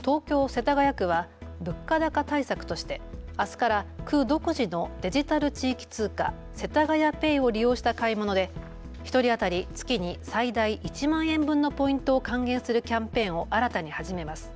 東京世田谷区は物価高対策としてあすから区独自のデジタル地域通貨、せたがやＰａｙを利用した買い物で１人当たり月に最大１万円分のポイントを還元するキャンペーンを新たに始めます。